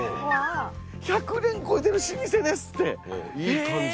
１００年超えてる老舗ですってへぇ。